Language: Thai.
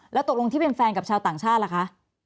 แล้วตกลงที่เป็นแฟนกับชาวต่างชาติล่ะคะ